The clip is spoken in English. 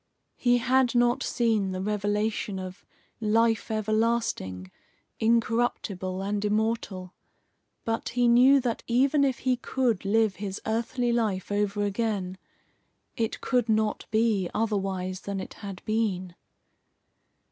He had not seen the revelation of "life everlasting, incorruptible and immortal." But he knew that even if he could live his earthly life over again, it could not be otherwise than it had been.